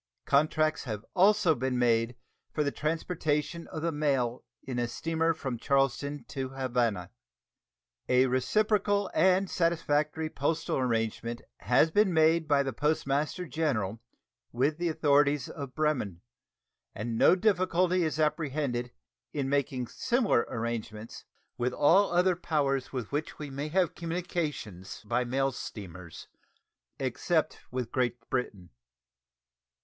Contracts have also been made for the transportation of the mail in a steamer from Charleston to Havana. A reciprocal and satisfactory postal arrangement has been made by the Postmaster General with the authorities of Bremen, and no difficulty is apprehended in making similar arrangements with all other powers with which we may have communications by mail steamers, except with Great Britain.